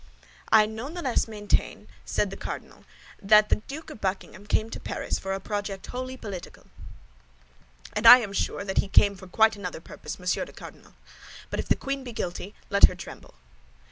"I not the less maintain," said the cardinal, "that the Duke of Buckingham came to Paris for a project wholly political." "And I am sure that he came for quite another purpose, Monsieur Cardinal; but if the queen be guilty, let her tremble!"